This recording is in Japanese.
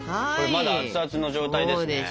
これまだ熱々の状態ですね。